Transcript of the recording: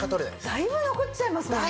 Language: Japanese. だいぶ残っちゃいますもんね。